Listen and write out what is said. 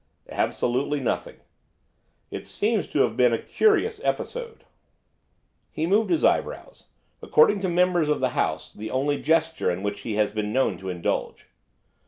'Absolutely nothing.' 'It seems to have been a curious episode.' He moved his eyebrows, according to members of the House the only gesture in which he has been known to indulge.